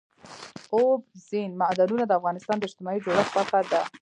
اوبزین معدنونه د افغانستان د اجتماعي جوړښت برخه ده.